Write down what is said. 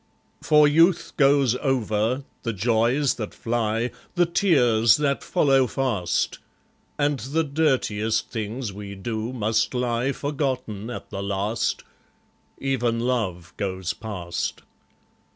For youth goes over, the joys that fly, The tears that follow fast; And the dirtiest things we do must lie Forgotten at the last; Even Love goes past.